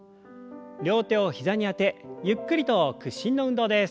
両手を膝にあてゆっくりと屈伸の運動です。